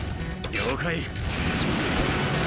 了解。